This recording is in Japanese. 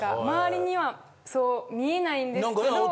周りにはそう見えないんですけど。